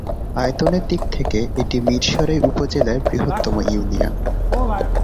আয়তনের দিক থেকে এটি মীরসরাই উপজেলার বৃহত্তম ইউনিয়ন।